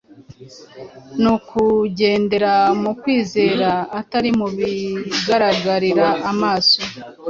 Ni ukugendera mu kwizera atari mu bigaragarira amaso;